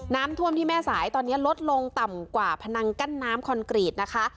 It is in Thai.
น้ำท่วมที่แม่สายตอนนี้ลดลงต่ำกว่าพนังกั้นน้ำคอนกรีตนะคะ